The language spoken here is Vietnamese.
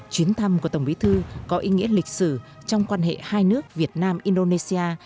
chuyến thăm của tổng bí thư có ý nghĩa lịch sử trong quan hệ hai nước việt nam indonesia